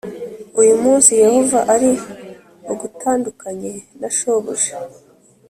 uyu munsi Yehova ari bugutandukanye na shobuja